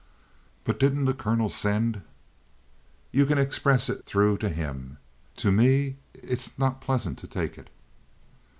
"But, didn't the colonel send " "You can express it through to him. To me it's not pleasant to take it."